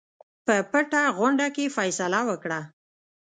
په پټه غونډه کې فیصله وکړه.